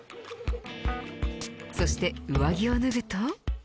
そして上着を脱ぐと。